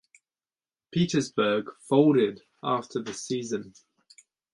Petersburg folded after the season.